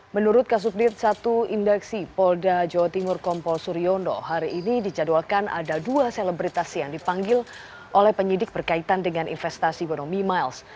menurut kasus dir satu indeksi polda jawa timur kompol suriondo hari ini dijadwalkan ada dua selebritas yang dipanggil oleh penyidik berkaitan dengan investasi bodong mi miles